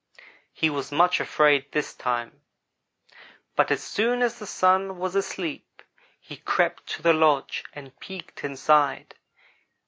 "He was much afraid this time, but as soon as the Sun was asleep he crept to the lodge and peeked inside.